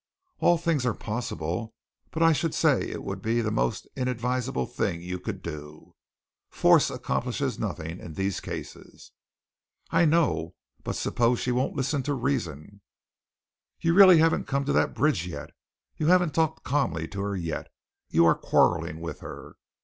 "All things are possible, but I should say it would be the most inadvisable thing you could do. Force accomplishes nothing in these cases." "I know, but suppose she won't listen to reason?" "You really haven't come to that bridge yet. You haven't talked calmly to her yet. You are quarreling with her.